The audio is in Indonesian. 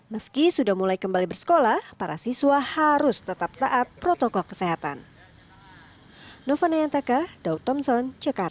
meski sudah mulai kembali bersekolah para siswa harus tetap taat protokol kesehatan